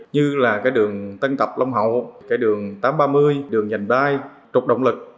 như là cái đường tân tập long hậu cái đường tám trăm ba mươi đường dành đai trục động lực